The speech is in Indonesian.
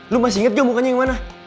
lu masih inget ga mukanya yang mana